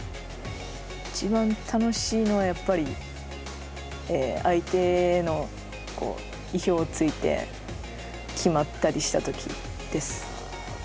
いちばん楽しいのは、やっぱり相手の意表をついて、決まったりしたときです。